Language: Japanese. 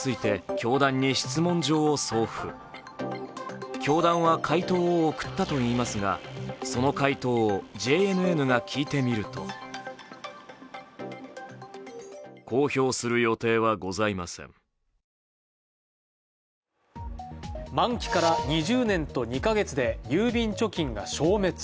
教団は回答を送ったといいますがその回答をＪＮＮが聞いてみると満期から２０年と２か月で郵便貯金が消滅。